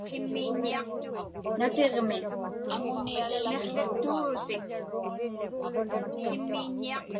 natiġmi